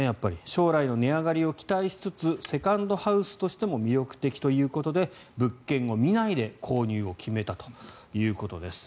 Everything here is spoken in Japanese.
将来の値上がりを期待しつつセカンドハウスとしても魅力的ということで物件を見ないで購入を決めたということです。